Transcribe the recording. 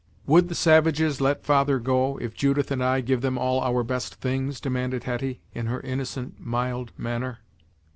"Would the savages let father go, if Judith and I give them all our best things?" demanded Hetty, in her innocent, mild, manner.